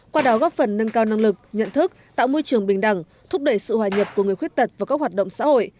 qua đó góp phần nâng cao năng lực nhận thức tạo môi trường bình đẳng thúc đẩy sự hòa nhập của người khuyết tật vào các hoạt động xã hội